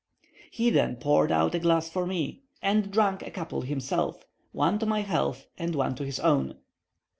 He then poured out a glass for me, and drank a couple himself one to my health and one to his own.